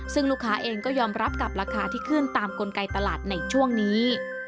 ซึ่งลูกค้าเองก็ยอมรับกับราคาที่ขึ้นตามกลไกตลาดในช่วงนี้